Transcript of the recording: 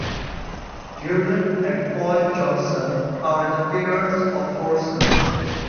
Dearden and Paul Johnson are the parents of four sons.